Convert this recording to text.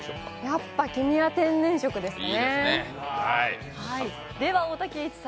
やっぱり「君は天然色」ですね。